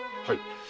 はい。